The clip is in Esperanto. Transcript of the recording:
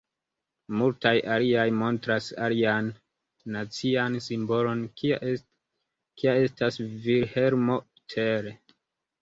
Multaj aliaj montras alian nacian simbolon kia estas Vilhelmo Tell.